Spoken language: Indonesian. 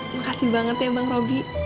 makasih banget ya bang roby